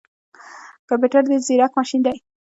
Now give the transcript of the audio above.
کمپيوټر ډیر ځیرک ماشین دی